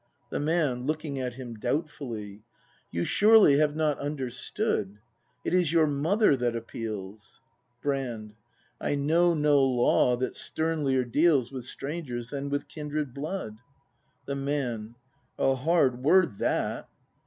The Man. [Looking at him doubtfully.] You surely have not understood: It is your Mother that appeals. Brand. I know no law that sternlier deals With strangers than with kindred blood. The Man. A hard word, that.